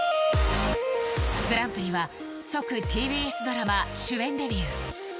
グランプリは、即ＴＢＳドラマ主演デビュー。